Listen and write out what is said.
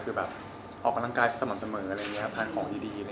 คือออกร่างกายสม่ำเสมอทานของดี